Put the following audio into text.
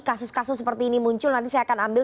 kasus kasus seperti ini muncul nanti saya akan ambil